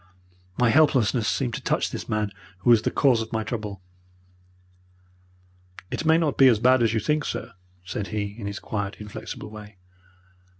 My helplessness seemed to touch this man who was the cause of my trouble. "'It may not be as bad as you think, sir,' said he, in his quiet, inflexible way.